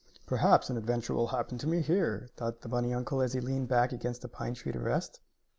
"Perhaps an adventure will happen to me here," thought the bunny uncle as he leaned back against a pine tree to rest.